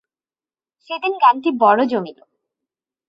সেদিন গানটি বড়ো জমিল।